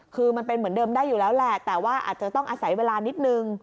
คือมันเป็นเหมือนเดิมได้อยู่แล้วแหละแต่ว่าอาจจะต้องอาศัยเวลานิดนึง